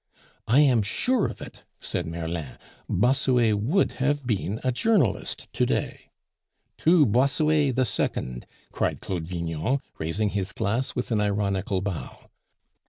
"I am sure of it," said Merlin. "Bossuet would have been a journalist to day." "To Bossuet the Second!" cried Claude Vignon, raising his glass with an ironical bow.